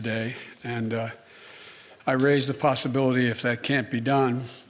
saya menunjukkan kemungkinan jika itu tidak bisa dilakukan